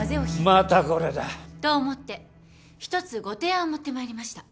またこれだ。と思って一つご提案を持ってまいりました。